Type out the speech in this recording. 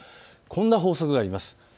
こんな法則があります。